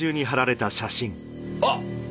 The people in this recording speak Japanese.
あっ。